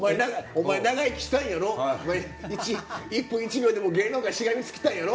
お前１分１秒でも芸能界しがみつきたいんやろ？